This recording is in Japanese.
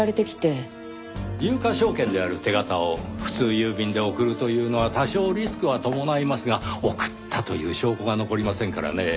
有価証券である手形を普通郵便で送るというのは多少リスクは伴いますが送ったという証拠が残りませんからねぇ。